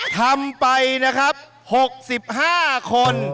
ทำไปนะครับ๖๕คน